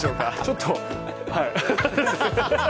ちょっとはい。